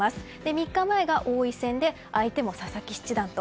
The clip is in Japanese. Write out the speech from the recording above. ３日前が王位戦で相手も佐々木七段と。